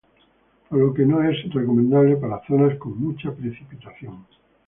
Por lo que no es recomendable para zonas con mucha precipitación.